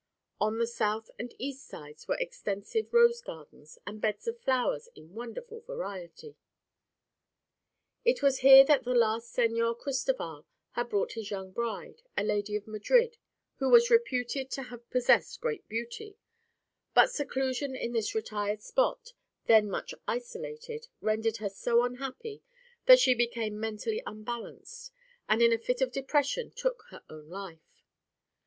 On the south and east sides were extensive rose gardens and beds of flowers in wonderful variety. It was here that the last Señor Cristoval had brought his young bride, a lady of Madrid who was reputed to have possessed great beauty; but seclusion in this retired spot, then much isolated, rendered her so unhappy that she became mentally unbalanced and in a fit of depression took her own life.